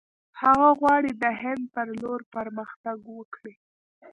هغه غواړي د هند پر لور پرمختګ وکړي.